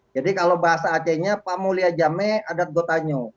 jadi kalau bahasa acehnya pamulia jame adat gotanyo